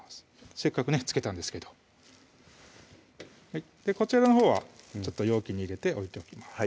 せっかくね漬けたんですけどこちらのほうは容器に入れて置いておきます